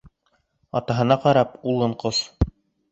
Атаһына ҡарап улын ҡос.